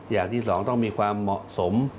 อย่างที่สองต้องมีความเหมาะสม